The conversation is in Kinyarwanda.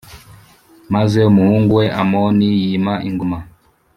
maze umuhungu we Amoni yima ingoma